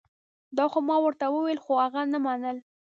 دا خو ما ورته وویل خو هغه نه منل